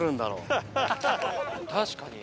確かに。